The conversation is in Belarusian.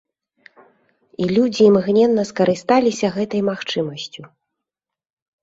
І людзі імгненна скарысталіся гэтай магчымасцю.